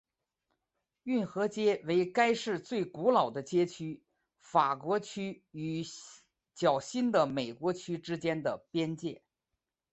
运河街为该市最古老的街区法国区与较新的美国区之间的边界。